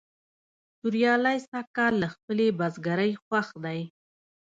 توریالی سږ کال له خپلې بزگرۍ خوښ دی.